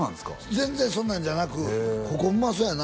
全然そんなんじゃなく「ここうまそうやな」